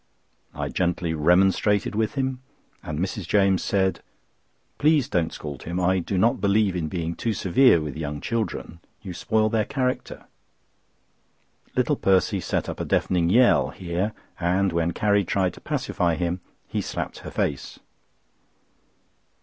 I gently remonstrated with him, and Mrs. James said: "Please don't scold him; I do not believe in being too severe with young children. You spoil their character." Little Percy set up a deafening yell here, and when Carrie tried to pacify him, he slapped her face.